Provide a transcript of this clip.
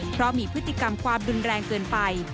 เพราะมีพฤติกรรมความรุนแรงเกินไป